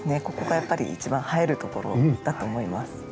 ここがやっぱり一番映える所だと思います。